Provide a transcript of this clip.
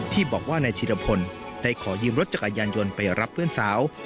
ที่บอกว่านายธิรพลได้ขอยืมรถจักรยานยนต์ไปรับเพื่อนสาว